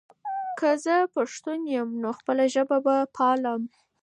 که زه پښتون یم، نو خپله ژبه به پالم.